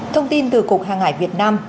thông tin từ cục hàng hải việt nam